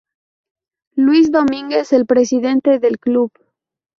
Luis Domínguez, el presidente del club.